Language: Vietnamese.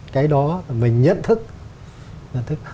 cái đó là mình nhận thức